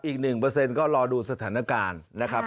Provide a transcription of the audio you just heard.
อีก๑ก็รอดูสถานการณ์นะครับ